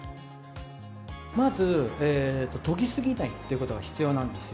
まず研ぎ過ぎないっていうことが必要なんですよ。